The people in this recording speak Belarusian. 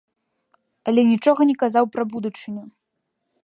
Але нічога не казаў пра будучыню.